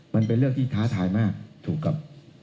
มันเป็นเรื่องที่ท้าทายมากถูกกับ